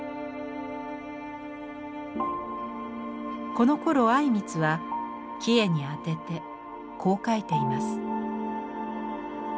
このころ靉光はキヱに宛ててこう書いています。